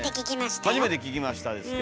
初めて聞きましたよ？